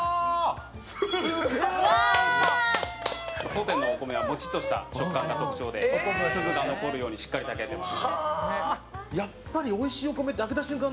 すごい！当店のお米はモチッとした食感が特徴で粒が残るようにしっかり炊き上げています。